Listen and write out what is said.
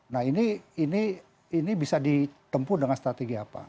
nah ini bisa ditempuh dengan strategi apa